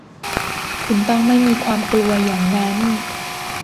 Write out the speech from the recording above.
คุณต้องไม่มีความกลัวอย่างนั้น